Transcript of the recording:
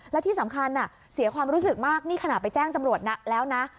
และที่สำคัญเสียความรู้สึกมากนี่ขณะไปแจ้งตำรวจแล้วนะ